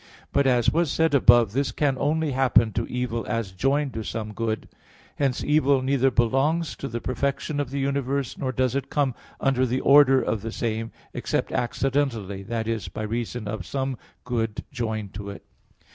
But, as was said above, this can only happen to evil as joined to some good. Hence evil neither belongs to the perfection of the universe, nor does it come under the order of the same, except accidentally, that is, by reason of some good joined to it.